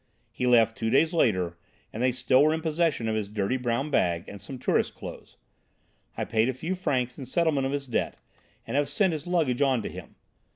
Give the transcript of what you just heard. He left two days later, and they still were in possession of his dirty brown bag and some tourist clothes. I paid a few francs in settlement of his debt, and have sent his luggage on to him.